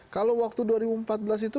kalau waktu dua ribu empat belas itu